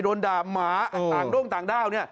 โดนด่าม้าต่างด้าว